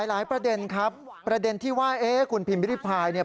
ประเด็นครับประเด็นที่ว่าเอ๊ะคุณพิมพิริพายเนี่ย